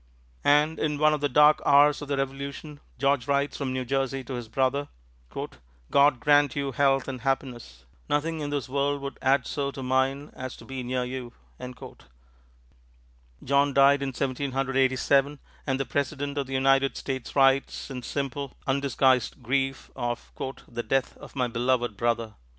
And in one of the dark hours of the Revolution, George writes from New Jersey to this brother: "God grant you health and happiness. Nothing in this world would add so to mine as to be near you." John died in Seventeen Hundred Eighty seven, and the President of the United States writes in simple, undisguised grief of "the death of my beloved brother."